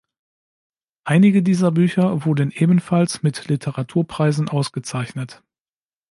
Einige dieser Bücher wurden ebenfalls mit Literaturpreisen ausgezeichnet.